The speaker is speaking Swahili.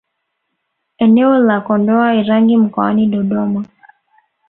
Eneo la Kondoa Irangi mkoani Dodoma